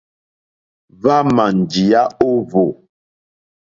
Hwámà njíyá ó hwò.